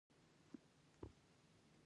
باران د افغان کورنیو د دودونو مهم عنصر دی.